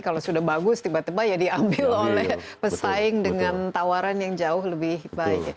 kalau sudah bagus tiba tiba ya diambil oleh pesaing dengan tawaran yang jauh lebih baik